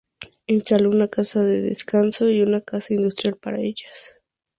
Instaló una Casa de Descanso y una Casa Industrial para ellas.